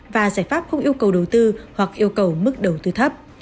và giải pháp không yêu cầu đầu tư hoặc yêu cầu mức đầu tư thấp